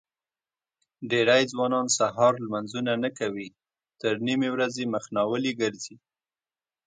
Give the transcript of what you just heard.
دېری ځوانان سهار لمنځونه نه کوي تر نیمې ورځې مخ ناولي ګرځي.